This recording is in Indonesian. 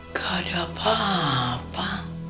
gak ada apa apa